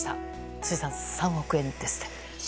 辻さん、３億円ですって。